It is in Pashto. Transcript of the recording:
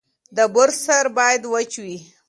د برس سر باید وچ وي.